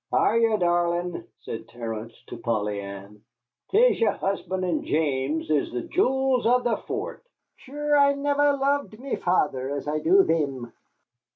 "Arrah, darlin'," said Terence to Polly Ann, "'tis yer husband and James is the jools av the fort. Sure I niver loved me father as I do thim."